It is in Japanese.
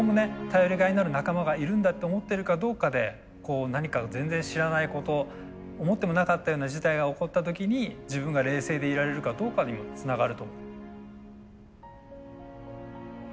頼りがいのある仲間がいるんだって思ってるかどうかでこう何か全然知らないこと思ってもなかったような事態が起こった時に自分が冷静でいられるかどうかにもつながると思う。